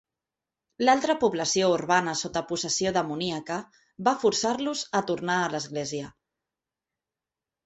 L'altra població urbana, sota possessió demoníaca, va forçar-los a tornar a l'església.